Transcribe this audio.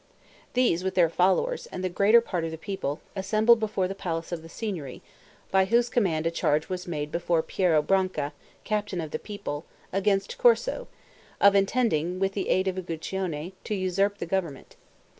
These, with their followers, and the greater part of the people, assembled before the palace of the Signory, by whose command a charge was made before Piero Branca, captain of the people, against Corso, of intending, with the aid of Uguccione, to usurp the government.